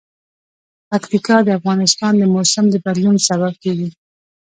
پکتیکا د افغانستان د موسم د بدلون سبب کېږي.